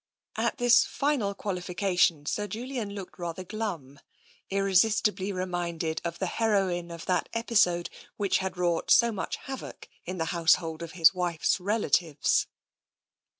At this final qualification Sir Julian looked rather glum, irresistibly reminded of the heroine of that episode which had wrought so much havoc in the household of his wife's relatives.